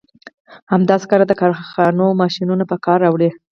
همدا سکاره د کارخونې ماشینونه په کار راولي.